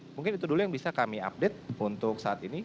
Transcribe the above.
mungkin itu dulu yang bisa kami update untuk saat ini